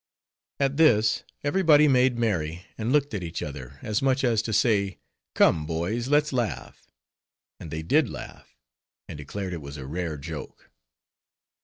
At this, every body made merry, and looked at each other, as much as to say—come, boys, let's laugh; and they did laugh; and declared it was a rare joke.